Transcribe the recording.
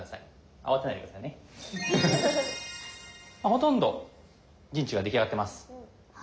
ほとんど陣地が出来上がってます。